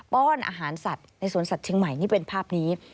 ้อนอาหารสัตว์ในสวนสัตว์เชียงใหม่นี่เป็นภาพนี้